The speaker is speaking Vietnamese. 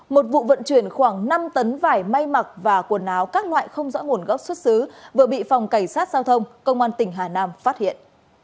một vụ vận chuyển khoảng năm tấn vải may mặc và quần áo các loại không rõ nguồn gốc xuất xứ vừa bị phòng cảnh sát giao thông công an tỉnh hà nam phát hiện